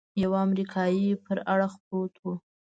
يوه امريکايي پر اړخ پروت و.